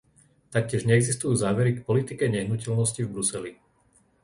Taktiež neexistujú závery k politike nehnuteľností v Bruseli.